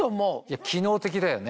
機能的だよね。